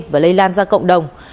và lây lan ra cộng đồng